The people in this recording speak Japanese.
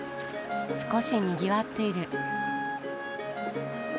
少しにぎわっている。